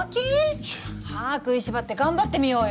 歯食いしばって頑張ってみようよ。